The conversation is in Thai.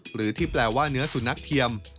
หรือที่แปลว่าเนื้อสุนัขเทียม